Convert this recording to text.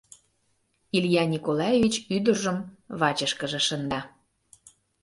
Илья Николаевич ӱдыржым вачышкыже шында.